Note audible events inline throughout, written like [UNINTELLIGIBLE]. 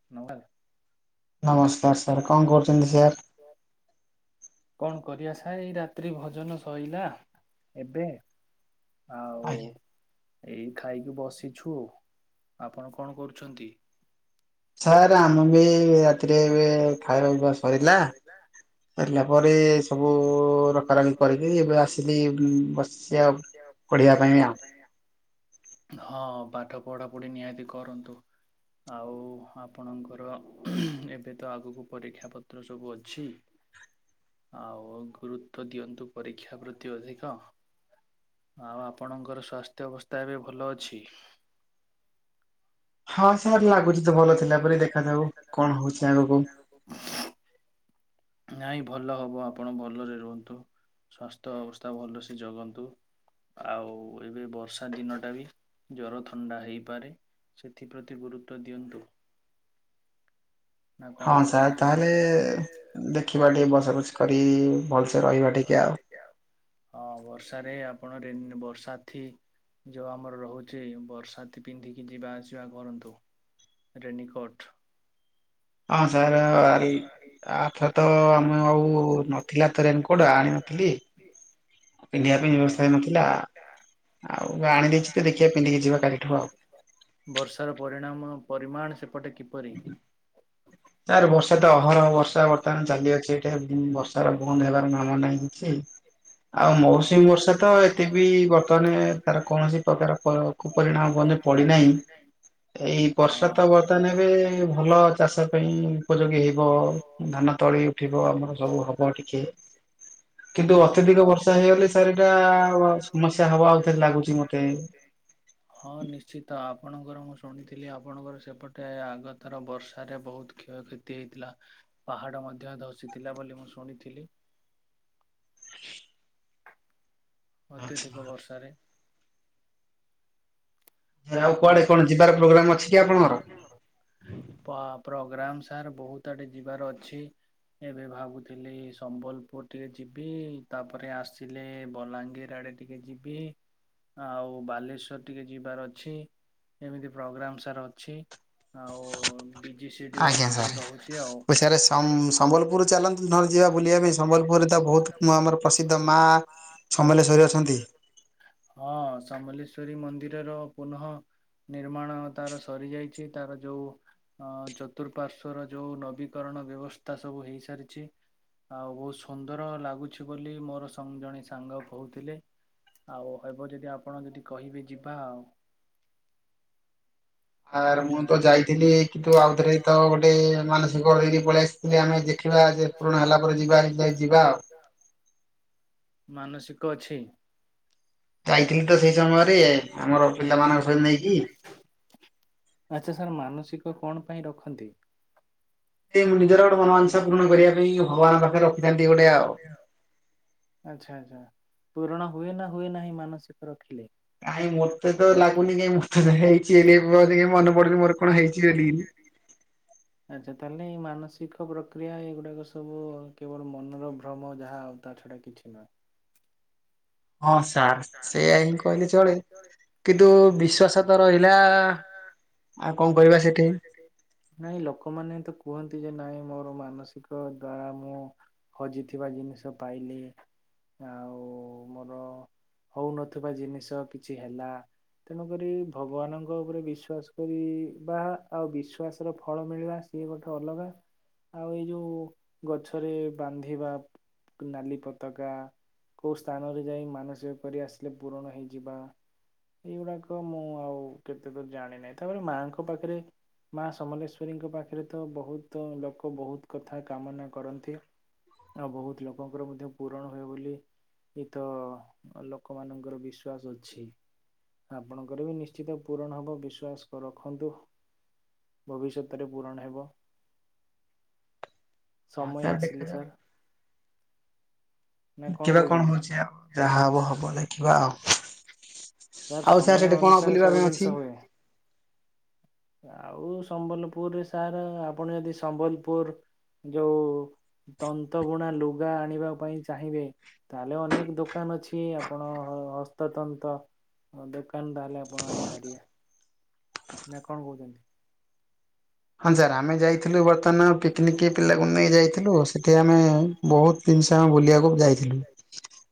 [UNINTELLIGIBLE] ନମସ୍କାର ସାର୍। କଣ କରୁଚନ୍ତି ସାର୍? କଣ କରିବା ସାରେ ଏଇ ରାତ୍ରି ଭୋଜନ ସଇଲା ଏବେ। ଆ [UNINTELLIGIBLE] ଏଇ ଖାଇକି ବସିଛୁ। ଆପଣ କଣ କରୁଛନ୍ତି? ସାରେ ଆମ ବି ରାତିରେ ଏବେ ଖାଇବା ପିଇବା ସଇଲା। ସରିଲା ପରେ ସବୁ ରଖାରଖି କରିକି ଏବେ ଆସିଲି ବସିଚି ଆଉ। ପଢ଼ିବା ପାଇଁ ଆ ହଁ ପାଠ ପଢ଼ାପଢ଼ି ନିହାତି କରନ୍ତୁ। ଆଉ ଆପଣଙ୍କର ଏବେ ତ ଆଗକୁ ପରୀକ୍ଷା ପତ୍ର ସବୁ ଅଛି। ଆଉ ଗୁରୁତ୍ୱ ଦିଅନ୍ତୁ ପରୀକ୍ଷା ପ୍ରତି ଅଧିକ। ଆଉ ଆପଣଙ୍କର ସ୍ୱାସ୍ଥ୍ୟ ଅବସ୍ଥା ଏବେ ଭଲ ଅଛି? ହଁ ସାର୍ ଲାଗୁଚି ତ ଭଲ ଥିଲା ପରି ଦେଖାଯାଉ କଣ ହଉଚି ଆଗକୁ। ନାଇଁ ଭଲ ହବ। ଆପଣ ଭଲରେ ରୁହନ୍ତୁ, ସ୍ୱାସ୍ଥ୍ୟ ଅବସ୍ଥା ଭଲସେ ଜଗନ୍ତୁ। ଆଉ ଏବେ ବର୍ଷା ଦିନଟା ବି ଜର ଥଣ୍ଡା ହେଇପାରେ। ସେଥିପ୍ରତି ଗୁରୁତ୍ୱ ଦିଅନ୍ତୁ। ନା କଣ କହୁଛନ୍ତି। [UNINTELLIGIBLE] ଦେଖିବା ଟିକେ ବସା ବସି କରି ଭଲସେ ରହିବା ଟିକେ ଆଉ। ହଁ ବର୍ଷାରେ ଆପଣ ରେ ବର୍ଷା ଥି ଯେଉଁ ଆମର ରହୁଛି ବର୍ସାତି ପିନ୍ଧିକି ଯିବା ଆସିବା କରନ୍ତୁ। ରେନିକୋଟ୍। [UNINTELLIGIBLE] [UNINTELLIGIBLE] ପିନ୍ଧିବା ପାଇଁ ବ୍ୟବସ୍ଥା ହେଇନଥିଲା ଆଉ ଆଣିଦେଇଛି ତ ଦେଖିବା ପିନ୍ଧିକି ଯିବା କାଲିଠୁ ଆଉ ବର୍ଷାର ପରିଣାମ ପରିମାଣ ସେପଟେ କିପରି? ତାର ବର୍ଷା ତ ଅହରହ ବର୍ଷା ବର୍ତ୍ତମାନ ଚାଲିଅଛି ଏଠେ ବର୍ଷାର ବନ୍ଦ ହେବାର ନାମ ନାହିଁ। ସେ ଆଉ ମୌସୁମୀ ବର୍ଷା ତ ଏବେ ବର୍ତ୍ତମାନ ତାର କୌଣସି ପ୍ରକାର ପ କୁପରିଣାମ ବନ୍ଧୁ ପଡିନାହିଁ ଏଇ ବର୍ଷା ତ ବର୍ତ୍ତମାନ ଏବେ ଭଲ ଚାଷ ପାଇଁ ଉପଯୋଗୀ ହେବ ଧାନ ତଳି ଉଠିବ ଆମର ସବୁ ହବ ଟିକେ। [INAUDIBLE] କିନ୍ତୁ ଅତ୍ୟଧିକ ବର୍ଷା ହେଇଗଲେ ସାରିଟା ସମସ୍ୟା ହବା ଆଉ ଲାଗୁଛି ମତେ ହଁ ନିଶ୍ଚିତ ଆପଣଙ୍କର ମୁଁ ଶୁଣିଥିଲି ଆପଣଙ୍କର ସେପଟେ ଆଗଥର ବର୍ଷାରେ ବହୁତ କ୍ଷୟକ୍ଷତି ହେଇଥିଲା ପାହାଡ ମଧ୍ୟ ଧସିଥିଲା ବୋଲି ମୁଁ ଶୁଣିଥିଲି। ଅତ୍ୟଧିକ ବର୍ଷାରେ। ଆଉ କୁଆଡେ କଣ ଯିବାର ପ୍ରୋଗ୍ରାମ ଅଛି କି ଆପଣଙ୍କର? ପା ପ୍ରୋଗ୍ରାମ ସାର ବହୁତ ଆଡେ ଯିବାର ଅଛି। ଏବେ ଭାବୁଥିଲି ସମ୍ବଲପୁର ଟିକେ ଯିବି ତାପରେ ଆସିଲେ ବଲାଙ୍ଗୀର ଆଡେ ଟ ଟିକେ ଯିବି ଆଉ ବାଲେଶ୍ୱର ଟିକେ ଯିବାର ଅଛି। ଏମିତି ପ୍ରୋଗ୍ରାମ୍ ସାର୍ ଅଛି ଆଉ ବିଜି ସିଦ୍ୟୁଲ ରହୁଛି ଆଉ ସମ୍ବଲପୁରରେ ତା ବହୁତ ଆମର ପ୍ରସିଦ୍ଧ ମା ସମଲେଶ୍ଵରୀ ଅଛନ୍ତି। ହଁ ସମଲେଶ୍ଵରୀ ମନ୍ଦିରର ପୁନଃ ନିର୍ମାଣ ତାର ସରିଯାଇଛି ତାର ଯୋଉ ଅ ଚତୁଃପାର୍ଶ୍ଵର ଯୋଉ ନବୀକରଣ ବ୍ୟବସ୍ଥା ସବୁ ହେଇସାରିଛି। ଆଉ ବହୁତ ସୁନ୍ଦର ଲାଗୁଛି ବୋଲି ମୋରସ ଜଣେ ସାଙ୍ଗ କହୁଥିଲେ। ଆଉ ହେବ ଯଦି ଆପଣ ଯଦି କହିବେ ଯିବା ଆଉ। ଆର ମୁଁ ତ ଯାଇଥିଲି କିନ୍ତୁ ଆଉଥରେ ତ ଗୋଟେ ମାନସିକ ହେଇକି ପଳି ଆସିଥିଲି ଆମେ ଦେଖିବା ଯେ ପୁରୁଣା ହେଲା ପରେ ଯିବା ଯାଇ ଯିବା ଆଉ ମାନସିକ ଅଛି। ଯାଇଥିଲି ତ ସେଇ ସମୟରେ ଆମର ପିଲାମାନ ସହିତ ନେଇକି ଆଛା ସାର୍ ମାନସିକ କଣ ପାଇଁ ରଖନ୍ତି? ସେ ନିଜର ଗୋଟେ ମନୋମାଂଶା ପୂରଣ କରିବା ପାଇଁ ଭଗବାନ ପାଖରେ ରଖିଥାନ୍ତି ଗୋଟେ ଆଉ ଆଚ୍ଛା ଆଚ୍ଛା ପୂରଣ ହୁଏ ନା ହୁଏ ନାହିଁ ମାନସିକ ରଖିଲେ? କାଇଁ ମତେ ତ ଲାଗୁନି କାଇହିଁ ମତେ ତ ହେଇଛି ହେ ମନେ ପଡୁି ମୋର କଣ ହେଇଛି ବୋଲି। ଆଚ୍ଛା ତାହେଲେ ଏଇ ମାନସିକ ପ୍ରକ୍ରିୟା ଏଇଗୁଡାକ ସବୁ କେବଳ ମନର ଭ୍ରମ ଯାହା ଆଉ ତା ଛଡା କି କିଠନା ହଁ ସାର୍ ସେଇୟା ହିଁ କହିଲେ ଚଳେ। କିନ୍ତୁ ବିଶ୍ଵାସ ତ ରହିଲା ଆଉ କଣ କରିବା ସେଠି। ନାଇଁ ଲୋକମାନେ ତ କୁହନ୍ତି ଯେ ନାଇଁ ମୋର ମାନସିକ ଦ୍ଵାରା ମୁଁ ହଜିଥିବା ଜିନିଷ ପାଇଲି ଆଉ ମୋର ହଉନଥିବା ଜିନିଷ କିଛି ହେଲା। ତେଣୁକରି ଭଗବାନଙ୍କ ଉପରେ ବିଶ୍ୱାସ କରିବା ଆଉ ବିଶ୍ୱଵାସର ଫଳ ମିଳିବା। ସିଏ ଗୋଟେ ଅଲଗା ଆଉ ଏଇ ଯୋଉ ଗଛରେ ବାନ୍ଧିବା ନାଲି ପତାକା କୋଉ ସ୍ଥାନରେ ଯାଇ ମାନସ ଯେପରି ଆସିଲେ ପୂରଣ ହେଇଯିବା। ଏଇଗୁଡାକ ମୁଁ ଆଉ କେତେ ଦୂର ଜାଣିିନାଇ ତାପରେ ମାଙ୍କ ପାଖରେ ମା ସମଲେଶ୍ୱରୀଙ୍କ ପାଖରେ ତ ବହୁତ ଲୋକ ବହୁତ କଥା କାମନା କରନ୍ତି। ଆଉ ବହୁତ ଲୋକଙ୍କର ମଧ୍ୟ ପୂରଣ ହେଉ ବୋଲି ଏଇତ। ଲୋକମାନଙ୍କର ବିଶ୍ଵାସ ଅଛି। ଆପଣଙ୍କର ବି ନିଶ୍ଚିତ ପୂରଣ ହେବ ବିଶ୍ୱାସ କର ରଖନ୍ତୁ। ଭବିଷ୍ୟତରେ ପୂରଣ ହେବ। ସମୟ ଆସିଲେ ସାର୍। ଦେଖିବା କଣ ହଉଛି ଆଉ। ଯାହା ହବ ହବ ଦେଖିବା ଆଉ ଆଉ ସାର୍ ସେଠି କଣ ବୁଲିବା ପାଇଁ ଅଛି। ଆଉ ସମ୍ବଲପୁରରେ ସାର୍ ଆପଣ ଯଦି ସମ୍ବଲପୁର। ଯୋଉ। ତନ୍ତବୁଣା ଲୁଗା ଆଣିବା ପାଇଁ ଚାହିଁବେ ତାହେଲେ ଅନେକ ଦୋକାନ ଅଛି। କିଛି ଆପଣ ହସ୍ତତନ୍ତ୍ର ଦୋକାନ ତାହେଲେ ଆପଣ ଆଣିପାରିବେ। ନା କଣ କହୁଛନ୍ତି। ହଁ ସାର୍ ଆମେ ଯାଇଥିଲୁ ବର୍ତ୍ତମାନ ପିକନିକ୍ ପିଲାକୁ ନେଇ ଯାଇଥିଲୁ ସେଠି ଆମେ ବହୁତ। ତିିନିସାଙ୍ଗ ଆମେ ବୁଲିବାକୁ ଯାଇଥିଲୁ।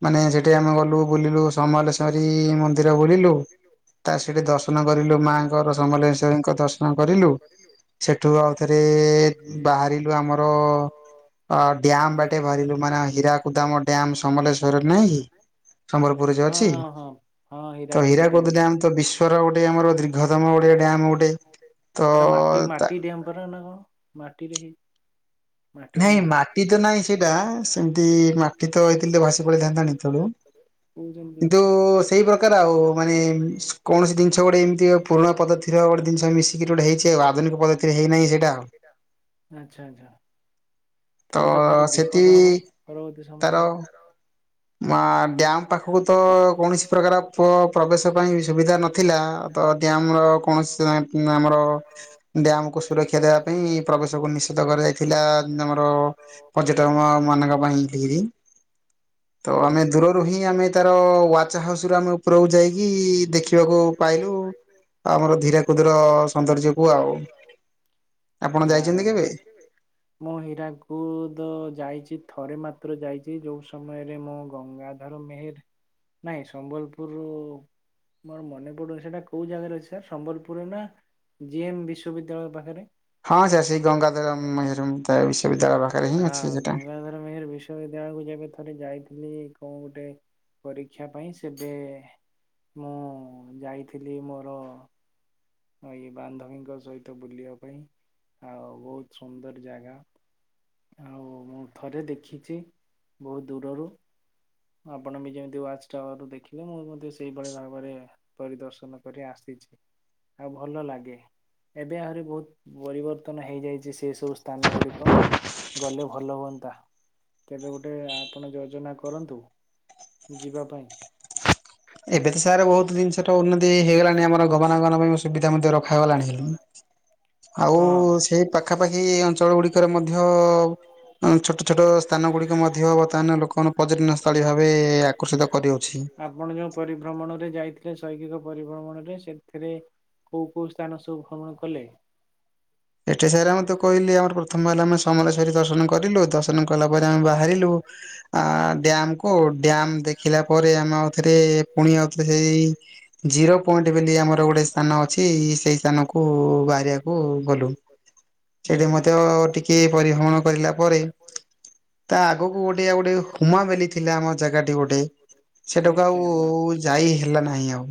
ମାନେ ସେଠି ଆମେ ଗଲୁ ବୁଲିଲୁ ସମଲେଶ୍ଵରୀ ମନ୍ଦିର ବୁଲିଲୁ। ତା ସେଠି ଦର୍ଶନ କରିଲୁ ମାଙ୍କର ସମଲେଶ୍ଵରୀଙ୍କ ଦର୍ଶନ କରିଲୁ‌। ସେଠୁ ଆଉଥରେ ବାହାରିଲୁ ଆମର। ଅ ଡ୍ୟାମ୍ ବାଟେ ବାହାରିଲୁ ମାନେ ହୀରାକୁଦ ଆମ ଡ଼୍ୟାମ ସମଲେଶ୍ଵରରେ ନାହିଁକି। ସମ୍ବଲପୁର ରେ ଯୋଉ ଅଛି ତ ହୀରାକୁଦ ଡ଼୍ୟାମ ତ ବିଶ୍ଵର ଗୋଟେ ଆମର ଦୀର୍ଘ। ଦିର୍ଘତମ ଗୋଟେ ଡ଼୍ୟାମ ଗୋଟେ ତ ତା। ମାଟି ଡ଼୍ୟାମ ପରା ନା କଣ ମାଟିରେ ହେଇଛି। ନାଇଁ ମାଟି ତ ନାଇଁ ସେଇଟା ସେମିତି ମାଟି ତ ହେଇଥିଲେ ତ ଭାସି ପଳେଇଥାନ୍ତାଣି ତ। କିନ୍ତୁ ସେଇ ପ୍ରକାର ଆଉ ମାନେ କୌଣସି ଜିନିଷ ଗୋଟେ ଏମିତି। ପୁରୁଣା ପଦ୍ଧତି ଗୋଟେ ଜିନଷ ମିଶିକରି ଗୋଟେ ହେଇଛି ଆଧୁିନିକ ପଦ୍ଧତିରେ ହେଇନାହିଁ ସେଇଟା ଆଉ। ଆଚ୍ଛା ଆଚ୍ଛା। ତାହେଲେ ତ ଭାରି ବିପଦ ହବ ପରବର୍ତ୍ତୀ ସମୟରେ ତାର। ମା ଡ୍ୟାମ୍ ପାଖକୁ ତ କୌଣସି ପ୍ରକାର ପ୍ରବେଶ ପାଇଁ ସୁବିଧା ନଥିଲା। ତ ଡ୍ୟାମ ର କୌଣସି ଆମର ଡ୍ୟାମ କୁ ସୁରକ୍ଷା ଦେବା ପାଇଁ ପ୍ରବେଶକୁୁ ନିଶେଧ କରାଯାଇଛି। ଥିଲା ଆମର ପର୍ଯ୍ୟଟକ ମାନଙ୍କ ପାଇଁ କି। [INAUDIBLE] ତ ଆମେ। ଦୂରରୁ ହିଁ ଆମେ ତାର ୱାଚ୍ ହାଉସ୍ ରୁ ଆମେ ଉପରକୁ ଯାଇକି ଦେଖିବାକୁ ପାଇଲୁ। ଆମର ଧୀରାକୁଦର ସୌନ୍ଦର୍ଯ୍ୟକୁ ଆଉ। ଆପଣ ଯାଇଛନ୍ତି କେବେ। ମୁଁ ହୀରାକୁଦ ଯାଇଛି ଥରେ ମାତ୍ର ଯାଇଛି ଯୋଉ ସମୟରେ ମୁଁ। ଗଙ୍ଗାଧର ମେହେର ନାଇଁ ସମ୍ବଲପୁରରୁୁ। ମୋର ମନେ ପଡୁନି ସେଇଟା କୋଉ ଜାଗାରେ ଅଛି ସାର୍ ସମ୍ବଲପୁରରେ ନା। ଜିଏମ୍ ବିଶ୍ଵବିଦ୍ୟାଳୟ ପାଖରେ। ହଁ ଗଙ୍ଗାଧର୍। ମେହେର୍ ବିଶ୍ୱବିଦ୍ୟାଳୟକୁ ଯବେ ଥରେ ଯାଇଥିଲି। ଥିଲି କଣ ଗୋଟେ ପରୀକ୍ଷା ପାଇଁ ସେବେ। ମୁଁ ଯାଇଥିଲି ମୋର। ଏଇ ବାନ୍ଧବୀଙ୍କ ସହିତ ବୁଲିବା ପାଇଁ ଆଉ ବହୁତ ସୁନ୍ଦର ଜାଗା। ଆଉ ଥରେ ଦେଖିଛି ବହୁତ ଦୂରରୁ। ଆପଣ ବି ଯେମିତି ୱାଚ୍ ଟାଉୱାରୁ ଦେଖିଲେ ମୁଁ ମଧ୍ୟ ସେଇଭଳି ଭାବରେ। ପରିଦର୍ଶନ କରି ଆସିଛି। ଆଉ ଭଲ ଲାଗେ। ଏବେ ଆହୁରି ବହୁତ ପରିବର୍ତ୍ତନ ହେଇଯାଇଛି ସେ ସବୁ ସ୍ଥାନ ଗୁଡିକ। ଗଲେ ଭଲ ହୁଅନ୍ତା କେବେ ଗୋଟେ ଆପଣ ଯୋଜନା କରନ୍ତୁ। ଯିବା ପାଇଁ। ଏବେ ତ ସାର୍ ବହୁତ ଜିନିଷରେ ଉନ୍ନତି ହେଇଗଲାଣି ଆମର ଗମନାଗମନ ପାଇଁସୁବି ମଧ୍ୟ ରଖାଗଲାଣି। ଆଉ ସେଇ ପାଖାପାଖି ଅଞ୍ଚଳ ଗୁଡିକରେ ମଧ୍ୟ ଏ ଛୋଟ ଛୋଟ ଛୋଟ ସ୍ଥାନ ଗୁଡ଼ିକ ମଧ୍ୟ ବର୍ତ୍ତମାନ ଲୋକମାନେ ପର୍ଯ୍ୟଟନ ସ୍ଥଳୀ ଭାବେ ଆକର୍ଷିତ କରୁଅଛି। ଆପଣ ଯୋଉ ପରିଭ୍ରମଣରେ ଯାଇଥିଲେ ଶୈକ୍ଷିକ ପରିଭ୍ରମଣରେ ସେଥିରେ କୋଉ କୋଉ ସ୍ଥାନ ସବୁ ଭ୍ରମଣ କଲେ? ଏଠି ସାର ଆମ ତ କହିଲି ଆମର ପ୍ରଥମ ହେଲା ଆମେ ସମଲେଶ୍ୱରୀ ଦର୍ଶନ କରଲୁ ଦର୍ଶନ କଲା ପରେ ଆମେ ବାହାରିଲୁ ଆ ଡ୍ୟାମ କୁ ଡ୍ୟାମ ଦେଖିଲା ପରେ ଆମେ ଆଉ ଥରେ ପୁଣି ଆଉ ଥରେ ହେ ଜିରୋ ପଏଣ୍ଟ ବେଲି ଆମର ଗୋଟେ ସ୍ଥାନ ଅଛି ସେଇ ସ୍ଥାନକୁ ବାହାରିବାକୁ ଗଲୁ। ସେଇଠି ମଧ୍ୟ ଟିକେ ପରିଭ୍ରମଣ କରିଲା ପରେ ତା ଆଗକୁ ଗୋଟେ ଗୋଟେ ହୁମା ବଲି ଥିଲା ଆମ ଜାଗା ଟି ଗୋଟେ ସେଟାକୁ ଆଉ ଯାଇ ହେଲା ନାହିଁ ଆଉ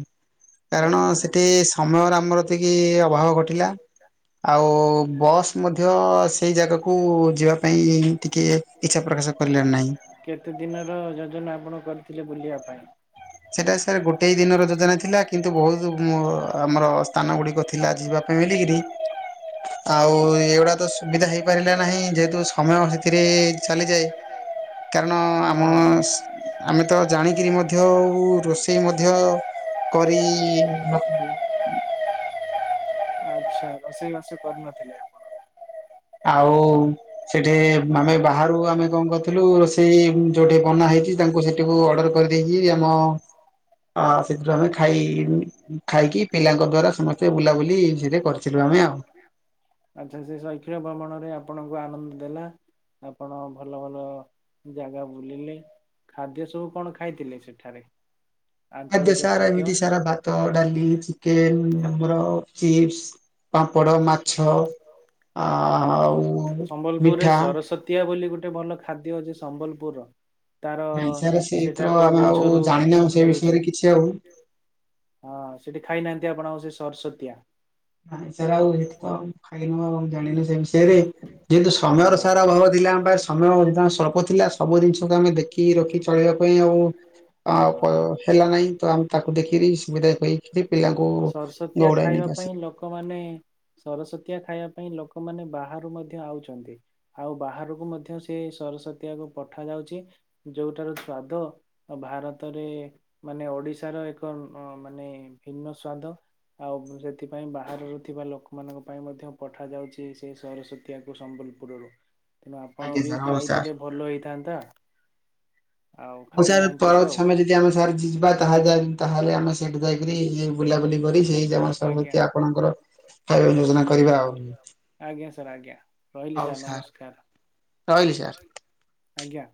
କାରଣ ସେଠି ସା ସମୟର ଆମର ଟିକିଏ ଅଭାବ ଘଟିଲା। ଆଉ ବସ୍ ମଧ୍ୟ ସେଇ ଜାଗାକୁ ଯିବା ପାଇଁ ଟିକେ ଇଚ୍ଛା ପ୍ରକାଶ କଲେ ନାହିଁ। କେତେ ଦିନର ଯୋଜନା ଆପଣ କରିଥିଲେ ବୁଲିବା ପାଇଁ। ସେଇଟା ସାର୍ ଗୋଟେ ଦିନର ଯୋଜନା ଥିଲା କିନ୍ତୁ ବହୁତ ଆମର ସ୍ଥାନ ଗୁଡିକ ଥିଲା ଯିବା ଫ୍ୟାମିଲି ଗିରି ଆଉ ଏଇଗୁଡା ତ ସୁବିଧା ହେଇପାରିଲା ନାହିଁ। ଯେହେତୁ ସମୟ ସେଥିରେ ଚାଲିଯାଏ। [INAUDIBLE] କାରଣ ଆମ ଆମେ ତ ଜାଣିକିରି ମଧ୍ୟ କୁ ରୋଷେଇ ମଧ୍ୟ କରି ନଥିଲୁ। ଆଛା ରୋଷେଇ ବାସ କରିନଥିଲେ? ଆଉ ସେଠି ଆମେ ବାହାରୁ ଆମେ କଣ କରିଥିଲୁ ରୋଷେଇ ଯୋଉଠି ବନା ହେଇଛି ତାଙ୍କୁ ସେ ଯୋଉ ଅର୍ଡର କରିଦେଇଛି ଆମ ଅ ସେଥିରୁ ଆମେ ଖାଇ ଖାଇକି ପିଲାଙ୍କ ଦ୍ଵାରା ସମସ୍ତେ ବୁଲାବୁଲି ଇଜିରେ କରିଥିଲୁ। ଆମେ ଆଉ ଆଚ୍ଛା ସେ ଶୈକ୍ଷିକ ଭ୍ରମଣରେ ଆପଣଙ୍କୁ ଆନନ୍ଦ ଦେଲା। ଆପଣ ଭଲ ଭଲ ଜାଗା ବୁଲିଲେ। ଖାଦ୍ୟ ସବୁ କଣ ଖାଇଥିଲେ ସେଠାରେ। ଖାଦ୍ୟ ସାରେ ଏମିତି ସାରା ବା ଭ ଡାଲି ଚିକେନ ଆମର ଚିପସ ପାମ୍ପଡ଼ ମା ମାଛ ଅ ସମ୍ବଲପୁରରେ ସରସ୍ଵ କିଆ ବୋଲି ଗୋଟେ ଭଲ ଖାଦ୍ୟ ଅଛି ସମ୍ବଲପୁରର। ତାର ସେଟା କୋଉ ଗଛରୁ ମିଳୁଛି? ହଁ ସେଠି ଖାଇନାହାନ୍ତି ଆପଣଙ୍କର ସେ ସରସ୍ଵତୀଆ। ନାଇଁ ସାର୍ ଆଉ ସେଠି ତ ଖାଇନ ଆ ଜାଣିନୁ ସେ ବିଷୟରେ। ଯେହେତୁ ସମୟର ସାରା ଅଭାବ ଥିଲା ଆମ ପାଖରେ ସମୟ ସ୍ଵଳ୍ପ ଥିଲା ସବୁ ଜିନିଷକୁ ଆମେ ଦେଖ କିି ରଖି ଚଳେଇିବା ପାଇଁ ଆଉ ଆଉ ତ ହେଲାନାହିଁ ତ ଆମେ ତାକୁ ଦେଖିକରି ସୁବିଧା ପାଇ କିରି ପିଲାଙ୍କୁ ସରସ୍ଵତୀଆ ଖାଇବା ପାଇଁ ଲୋକମାନେ ସରସ୍ଵତୀଆ ଖାଇବା ପାଇଁ ଲୋକମାନେ ବାହାରୁ ମଧ୍ୟ ଆଉଛନ୍ତି। ଆଉ ବାହାରକୁ ମଧ୍ୟ ସେ ସରସ୍ଵତୀଆକୁ ପଠ ଯାଉଛି ଯୋଉଠାରୁ ସ୍ଵାଦ ଆଉ ଭାରତରେ ମାନେ ଓଡିଶାର ଏକ ଅ ମାନେ ଭିନ୍ନ ସ୍ଵାଦ। ଆଉ ସେଥିପାଇଁ ବାହାର ର ଥିବା ଲୋକମାନଙ୍କ ପାଇଁ ମଧ୍ୟ ପଠାଯାଉଛି ସେ ସରସ୍ଵତୀଆକୁ ସମ୍ବଲପୁରରୁ। ତେଣୁ ଆପଣ ବି ଖାଇଥିଲେ ଭଲ ହେଇଥାନ୍ତା। ହଉ ସାର ପରବର୍ତ୍ତୀ ସମୟରେ ଆମେ ସାର୍ ଯିବା ତାହା ଯ ତାହେଲେ ଆମେ ସେଇଠି ଯାଇକରି ଇଏ ବୁଲାବୁଲି କରି ଏଇ ଜନ୍ମାଷ୍ଟମୀ ମିତିଆ ଆପଣଙ୍କର ଖାଇବା ଯୋଜନା କରିବା ଆଉ ହଉ ସାର୍ ରହିଲି ସାର୍ ଆଜ୍ଞା।